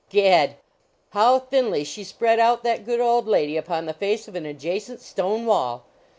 Gad! how thinly she spread out that good old lady upon the face of an adjacent stone wall!